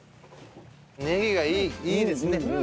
ネギがいいですね。